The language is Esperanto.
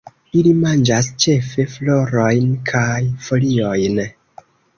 Ili manĝas ĉefe florojn kaj foliojn.